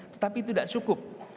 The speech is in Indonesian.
tetapi itu tidak cukup